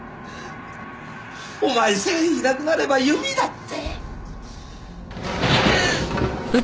お前さえいなくなれば由美だって！